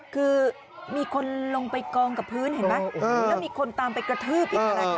คือมีคนลงไปกองกับพื้นเห็นไหมแล้วมีคนตามไปกระทืบ